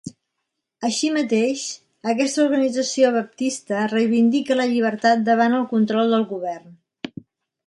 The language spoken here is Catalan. Així mateix, aquesta organització baptista reivindica la llibertat davant el control del govern.